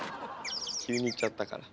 急に行っちゃったから。